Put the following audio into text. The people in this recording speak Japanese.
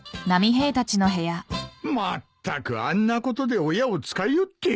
まったくあんなことで親を使いおって。